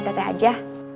terserah teteh aja